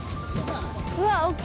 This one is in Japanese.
うわっ！